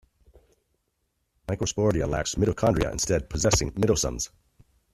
Microsporidia lack mitochondria, instead possessing mitosomes.